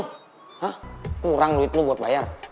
hah kurang duit lu buat bayar